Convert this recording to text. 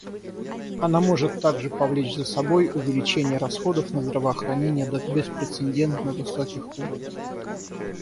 Она может также повлечь за собой увеличение расходов на здравоохранение до беспрецедентно высоких уровней.